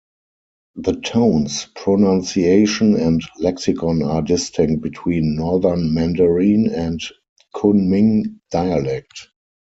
The tones, pronunciation, and lexicon are distinct between Northern Mandarin and Kunming dialect.